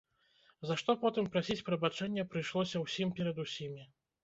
За што потым прасіць прабачэння прыйшлося ўсім перад усімі.